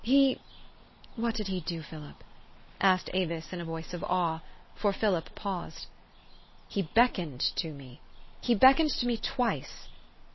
He " "What did he do, Philip?" asked Avis in a voice of awe ; for Philip paused. " He beckoned to me. He beckoned to me twice.